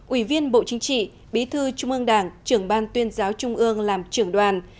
ủy viên bộ chính trị bí thư trung ương đảng trưởng ban tuyên giáo trung ương làm trưởng đoàn